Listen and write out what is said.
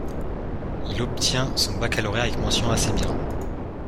Il obtient son baccalauréat avec mention assez bien.